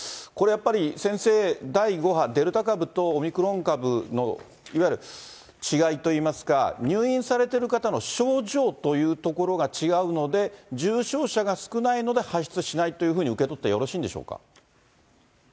これやっぱり、先生、第５波、デルタ株とオミクロン株のいわゆる違いといいますか、入院されてる方の症状というところが違うので、重症者が少ないので発出しないというふうに受け取ってよろしいんでしょうか。